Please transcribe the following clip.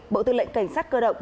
bộ tư lệnh cảnh sát cơ động